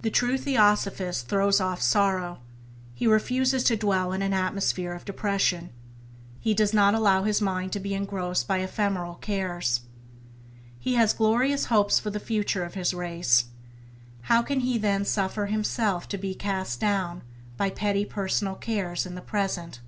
The true Theosophist throws off sorrow, he refuses to dwell in an atmosphere of depression. He does not allow his mind to be engrossed by ephemeral cares. He has glorious hopes for the future of his race: how can he then suffer himself to be cast down by petty personal cares in the present